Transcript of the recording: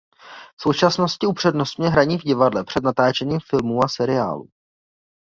V současnosti upřednostňuje hraní v divadle před natáčením filmů a seriálů.